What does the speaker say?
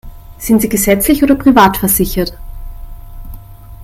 Sind Sie gesetzlich oder privat versichert?